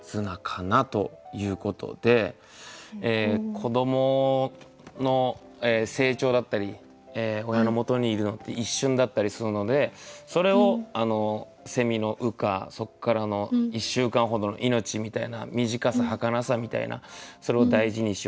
子どもの成長だったり親のもとにいるのって一瞬だったりするのでそれをの羽化そっからの１週間ほどの命みたいな短さ儚さみたいなそれを大事にしよう